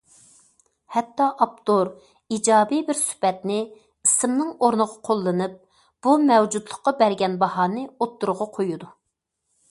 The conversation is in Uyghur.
ھەتتا ئاپتور ئىجابىي بىر سۈپەتنى ئىسىمنىڭ ئورنىغا قوللىنىپ، بۇ مەۋجۇتلۇققا بەرگەن باھانى ئوتتۇرىغا قويىدۇ.